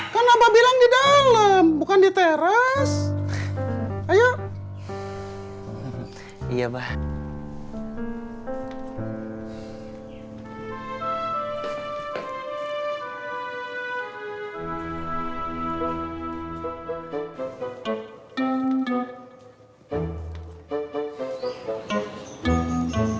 kan abah bilang di dalam bukan di teras ayo iya bah